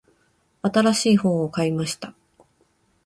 新しい本を買いました。